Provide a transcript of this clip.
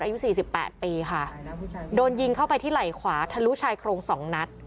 อายุสี่สิบแปดปีค่ะโดนยิงเข้าไปที่ไหล่ขวาทะลุชายโครงสองนัด